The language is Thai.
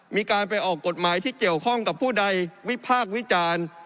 มีการไปออกกฎหมายที่เกี่ยวข้องกับผู้ใดวิพากษ์วิจารณ์